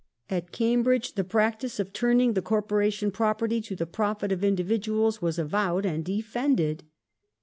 ... At Cambridge the practice of turning the Corporation property to the profit of individuals was avowed and defended."